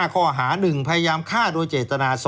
ข้อหา๑พยายามฆ่าโดยเจตนา๒